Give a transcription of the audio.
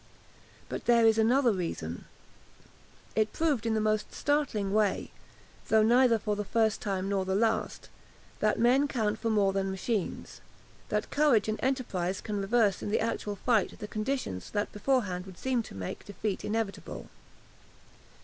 But there is another reason: it proved in the most startling way though neither for the first time nor the last that men count for more than machines, that courage and enterprise can reverse in the actual fight the conditions that beforehand would seem to make defeat inevitable.